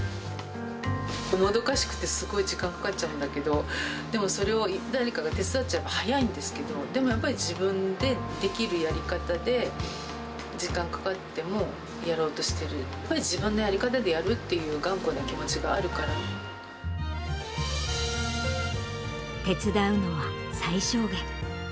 もどかしくてすごい時間かかっちゃうんだけど、でも、それを誰かが手伝っちゃえば早いんですけど、でも自分でできるやり方で、時間かかってもやろうとしている、やっぱり自分のやり方でやるって手伝うのは最小限。